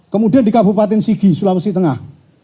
kemudian di kabupaten sigi sulawesi tengah